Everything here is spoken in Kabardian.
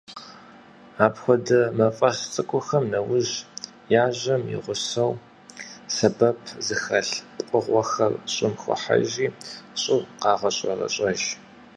Апхуэдэ мафӏэс цӏыкӏухэм нэужь, яжьэм и гъусэу, сэбэп зыхэлъ пкъыгъуэхэр щӏым хохьэжри, щӏыр къагъэщӏэрэщӏэж.